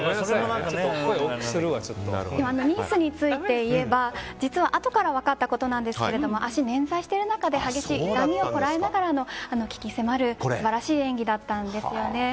ニースについて言えば実はあとから分かったことなんですが足を捻挫している中で激しい痛みをこらえながらの鬼気迫る素晴らしい演技だったんですよね。